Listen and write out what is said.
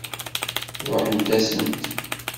Ṛuḥent-asent.